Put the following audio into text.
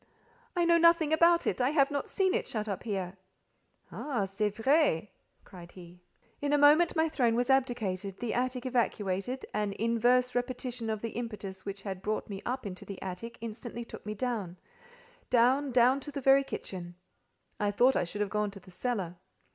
"I know nothing about it. I have not seen it, shut up here." "Ah! C'est vrai," cried he. In a moment my throne was abdicated, the attic evacuated; an inverse repetition of the impetus which had brought me up into the attic, instantly took me down—down—down to the very kitchen. I thought I should have gone to the cellar.